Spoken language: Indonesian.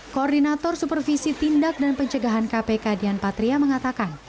koordinator supervisi tindak dan pencegahan kpk dian patria mengatakan